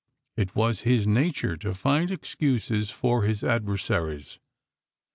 It was his nature to find excuses for his adversaries.